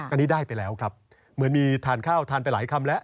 อันนี้ได้ไปแล้วครับเหมือนมีทานข้าวทานไปหลายคำแล้ว